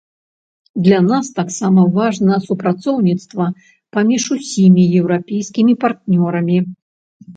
Для нас таксама важна супрацоўніцтва паміж усімі еўрапейскімі партнёрамі.